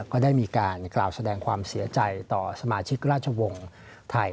ก็ได้มีการกล่าวแสดงความเสียใจต่อสมาชิกราชวงศ์ไทย